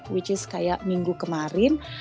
which is kayak minggu kemarin